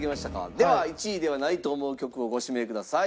では１位ではないと思う曲をご指名ください。